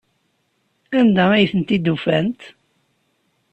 Anda ay tent-id-ufant?